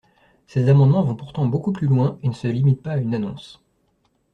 Ces amendements vont pourtant beaucoup plus loin, et ne se limitent pas à une annonce.